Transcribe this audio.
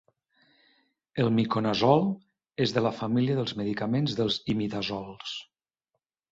El miconazol és de la família de medicaments dels imidazols.